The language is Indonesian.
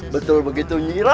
betul begitu nyira